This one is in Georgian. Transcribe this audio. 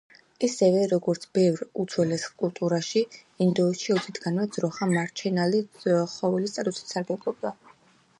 ისევე, როგორც ბევრ უძველეს კულტურაში, ინდოეთში ოდითგანვე ძროხა მარჩენალი ცხოველის სტატუსით სარგებლობდა.